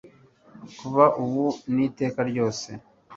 kuva ubu n'iteka ryose